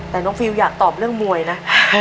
แต่น้องฟิลอยากตอบเรื่องมวยนะ